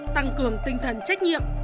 nâng cường tinh thần trách nhiệm